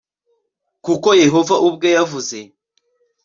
kuko Yehova ubwe yavuze